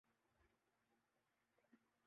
یہ کب پارلیمان میں زیر بحث آئی؟